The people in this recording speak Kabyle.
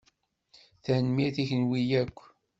Tanemmirt i kenwi akk.